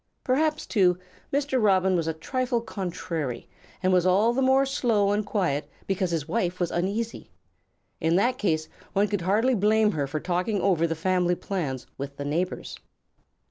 Perhaps, too, Mr. Robin was a trifle contrary and was all the more slow and quiet because his wife was uneasy. In that case one could hardly blame her for talking over the family plans with the neighbors.